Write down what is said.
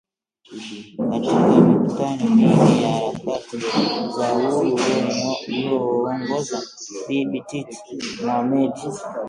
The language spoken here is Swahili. Katika mikutano mingi ya harakati za Uhuru aliyoongoza Bibi Titi Mohammed